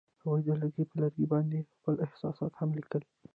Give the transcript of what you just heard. هغوی د لرګی پر لرګي باندې خپل احساسات هم لیکل.